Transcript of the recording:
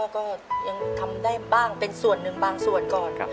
ก็ยังทำได้บ้างเป็นส่วนหนึ่งบางส่วนก่อน